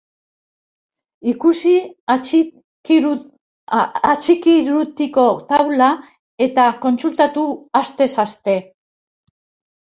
Ikusi atxikirutiko taula eta kontsultatu astez aste!